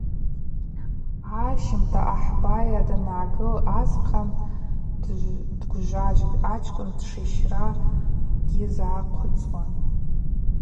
Ащымта ахӏ байа дангӏагыл асхъан дгвжважвитӏ, ачкӏвын дшищра гьйызгӏахъвыцуам.